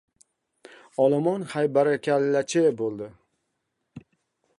Olomon haybarakallachi bo‘ldi: